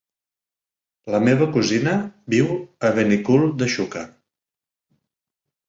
La meva cosina viu a Benicull de Xúquer.